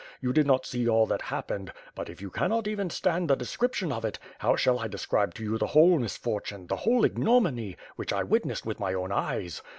You did not see all that happened, but, if you cannot even stand the description of it, how shall I describe to you the whole misfortune, the whole ignominy, which I witnessed with my own eyes!